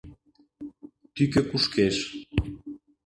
— Тӱкӧ кушкеш.